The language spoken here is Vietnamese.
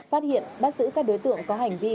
phát hiện bắt giữ các đối tượng có hành vi